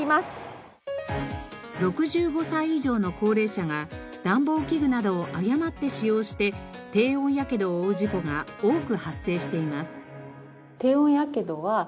６５歳以上の高齢者が暖房器具などを誤って使用して低温やけどを負う事故が多く発生しています。